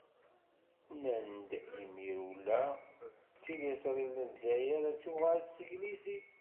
Nnan-d imir ula d tiliẓri n Lezzayer ad tuɣal s teglizit.